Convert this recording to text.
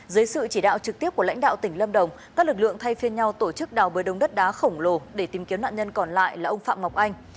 dưới sự chỉ đạo trực tiếp của lãnh đạo tỉnh lâm đồng các lực lượng thay phiên nhau tổ chức đào bơi đống đất đá khổng lồ để tìm kiếm nạn nhân còn lại là ông phạm ngọc anh